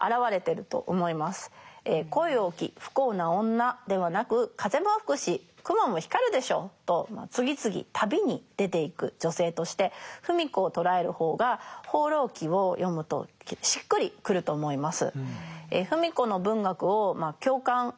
「恋多き不幸な女」ではなく「風も吹くし雲も光るでしょ」と次々旅に出ていく女性として芙美子を捉える方が「放浪記」を読むとしっくりくると思います。